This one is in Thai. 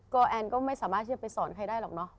ก็แอนก็ไม่สามารถที่จะไปสอนใครได้หรอกเนอะ